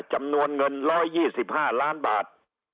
จำนวนเงิน๑๒๕ล้านบาท